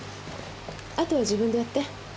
あとは自分でやって。